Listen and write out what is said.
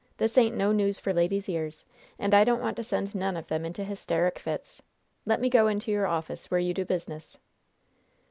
This ain't no news for ladies' ears, and I don't want to send none of them into hysterick fits! Let me go into your office, where you do business."